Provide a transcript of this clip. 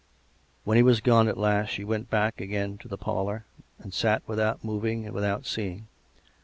When he was gone at last she went back again to the parlour, and sat without moving and without seeing.